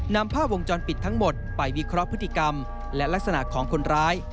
นำภาพวงจรปิดทั้งหมดไปวิเคราะห์พฤติกรรมและลักษณะของคนร้าย